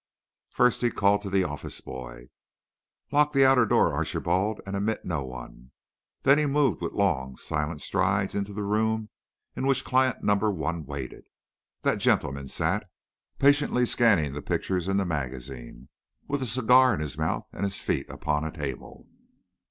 First he called to the office boy: "Lock the outer door, Archibald, and admit no one." Then he moved, with long, silent strides into the room in which client number one waited. That gentleman sat, patiently scanning the pictures in the magazine, with a cigar in his mouth and his feet upon a table.